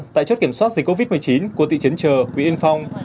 tại chốt kiểm soát dịch covid một mươi chín của tỵ trấn trờ quỹ yên phong